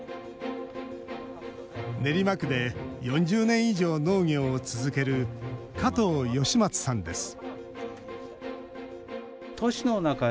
練馬区で４０年以上農業を続ける加藤義松さんです。